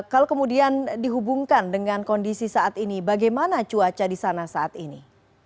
kalau kemudian dihubungkan dengan kondisi saat ini bagaimana cuaca di sana saat ini